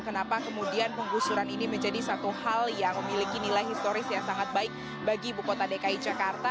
kenapa kemudian penggusuran ini menjadi satu hal yang memiliki nilai historis yang sangat baik bagi ibu kota dki jakarta